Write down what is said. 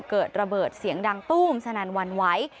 เกิดระเบิดเสียงดังตู้มสนานวรรณไว้